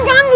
ya bang bu